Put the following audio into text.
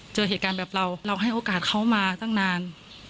เจอเหตุการณ์แบบเราเราให้โอกาสเขามาตั้งนาน